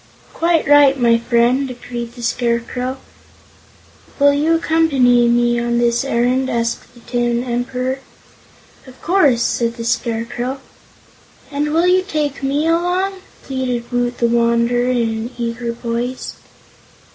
"Quite right, my friend!" agreed the Scarecrow. "Will you accompany me on this errand?" asked the Tin Emperor. "Of course," said the Scarecrow. "And will you take me along?" pleaded Woot the Wanderer in an eager voice.